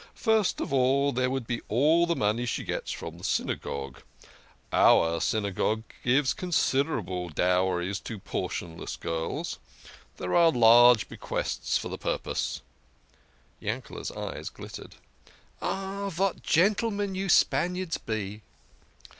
First of all there would be all the money she gets from the Synagogue. Our Synagogue THE KING OF SCHNORRERS. 83 gives considerable dowries to portionless girls. There are large bequests for the purpose." Yankee's eyes glittered. "Ah, vat gentlemen you Spaniards be